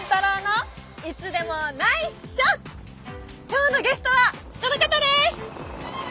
今日のゲストはこの方です！